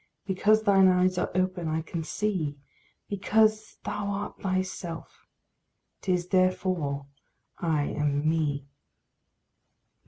Because thine eyes are open, I can see; Because thou art thyself, 'tis therefore I am me.